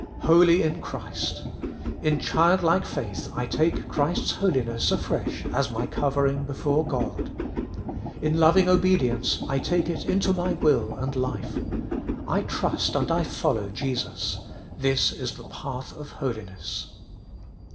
5. Holy in Christ. In childlike faith I take Christ's holiness afresh as my covering before God. In loving obedience I take it into my will and life. I trust and I follow Jesus : this is the path of holiness.